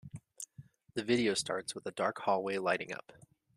The video starts with a dark hallway lighting up.